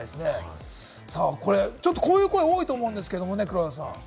こういう声、多いと思うんですけどね、黒田さん。